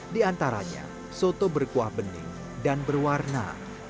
di antaranya soto berkuah bening dan berwarna